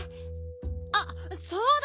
あっそうだ！